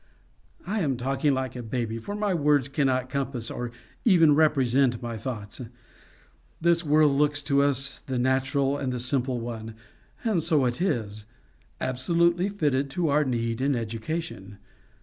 I am talking like a baby, for my words cannot compass or even represent my thoughts. This world looks to us the natural and simple one, and so it is absolutely fitted to our need and education.